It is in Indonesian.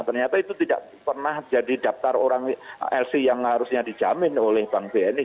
ternyata itu tidak pernah jadi daftar orang lc yang harusnya dijamin oleh bank bni